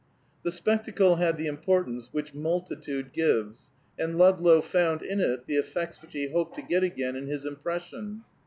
The spectacle had the importance which multitude givers, and Ludlow found in it the effects which he hoped to get again in his impression.